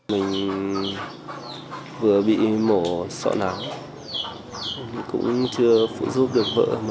mình vừa bị mổ sọ nắng cũng chưa phụ giúp được